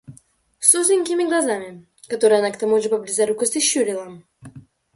с узенькими глазами, которые она к тому же по близорукости щурила,